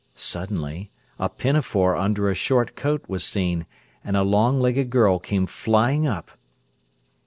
Suddenly a pinafore under a short coat was seen, and a long legged girl came flying up.